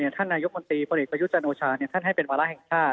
ท่านนายกมพยจโจนโชฮาท่านให้เป็นวาระแห่งธาตุ